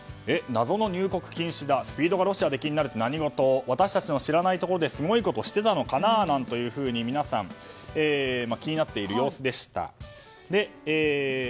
謎の入国禁止だＳＰＥＥＤがロシア出禁になるって何事私たちの知らないところですごいことしてたのかななんていうふうに皆さん気になっている様子でした。